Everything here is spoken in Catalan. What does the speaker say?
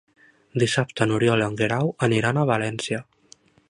Dissabte n'Oriol i en Guerau aniran a València.